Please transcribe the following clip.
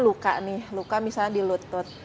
luka nih luka misalnya di lutut